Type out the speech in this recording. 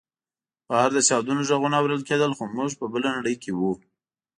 بهر د چاودنو غږونه اورېدل کېدل خو موږ په بله نړۍ کې وو